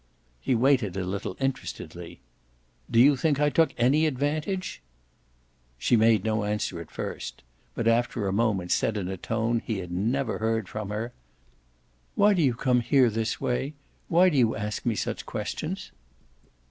He waited a little, interestedly. "Do you think I took any advantage?" She made no answer at first, but after a moment said in a tone he had never heard from her: "Why do you come here this way? Why do you ask me such questions?"